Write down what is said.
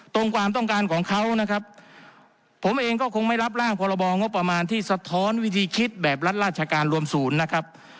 ความต้องการของเขานะครับผมเองก็คงไม่รับร่างพรบงบประมาณที่สะท้อนวิธีคิดแบบรัฐราชการรวมศูนย์นะครับ